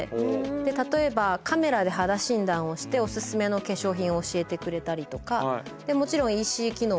例えばカメラで肌診断をしておすすめの化粧品を教えてくれたりとか。